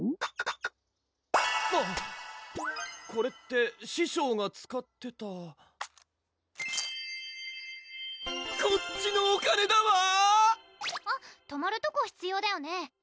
あっこれって師匠が使ってたこっちのお金だわあっとまるとこ必要だよね